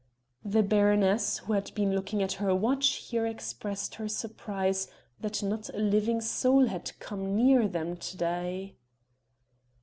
The baroness who had been looking at her watch here expressed her surprise that not a living soul had come near them to day.